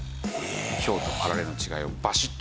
ひょうとあられの違いをバシッと。